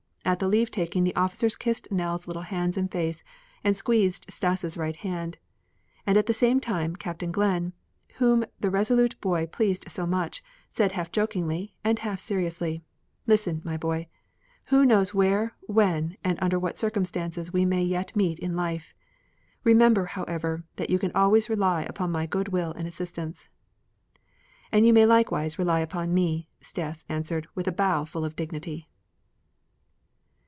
At the leave taking the officers kissed Nell's little hands and face, and squeezed Stas' right hand, and at the same time, Captain Glenn, whom the resolute boy pleased very much, said half jokingly and half seriously: "Listen, my boy! Who knows where, when, and under what circumstances we may yet meet in life. Remember, however, that you can always rely upon my good will and assistance." "And you may likewise rely upon me," Stas answered with a bow full of dignity.